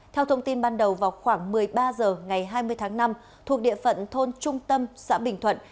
theo thông tin ban đầu vào khoảng một mươi ba h ngày hai mươi tháng năm thuộc địa phận thôn trung tâm xã bình thuận